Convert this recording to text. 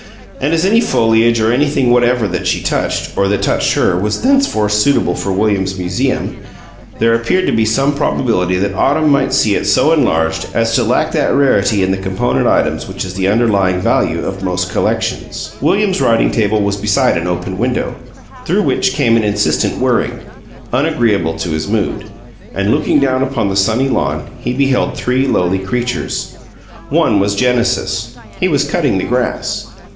And as any foliage or anything whatever that she touched, or that touched her, was thenceforth suitable for William's museum, there appeared to be some probability that autumn might see it so enlarged as to lack that rarity in the component items which is the underlying value of most collections. William's writing table was beside an open window, through which came an insistent whirring, unagreeable to his mood; and, looking down upon the sunny lawn, he beheld three lowly creatures. One was Genesis; he was cutting the grass.